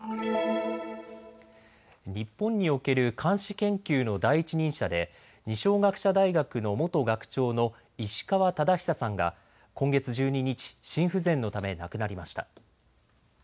日本における漢詩研究の第一人者で二松学舎大学の元学長の石川忠久さんが今月１２日、心不全のため亡くなりました。